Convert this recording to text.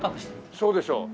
そうでしょ。